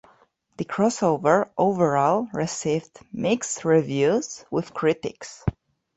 The crossover overall received mixed reviews with critics.